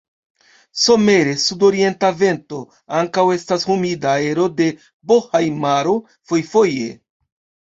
Somere, sudorienta vento, ankaŭ estas humida aero de Bohaj-maro fojfoje.